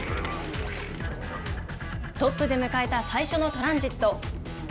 トップで迎えた最初のトランジット。